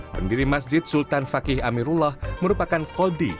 pendiri masjid sultan fakih amirullah merupakan kodi